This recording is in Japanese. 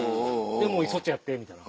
で「そっちやって」みたいな。